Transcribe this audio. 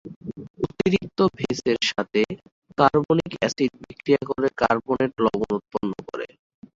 অতিরিক্ত বেস এর সাথে, কার্বনিক অ্যাসিড বিক্রিয়া করে কার্বনেট লবণ উৎপন্ন করে।